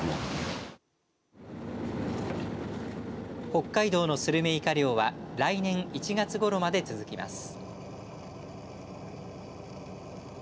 北海道のスルメイカ漁は来年１月ごろまで続きます。